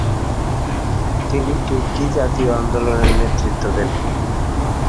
তিনি তুর্কি জাতীয় আন্দোলনের নেতৃত্ব দেন।